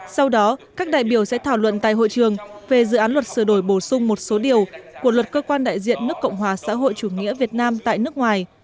sau đó các đại biểu sẽ thảo luận tại hội trường về dự án luật sửa đổi bổ sung một số điều của luật cơ quan đại diện nước cộng hòa xã hội chủ nghĩa việt nam tại nước ngoài